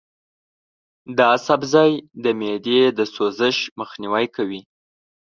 دا سبزی د معدې د سوزش مخنیوی کوي.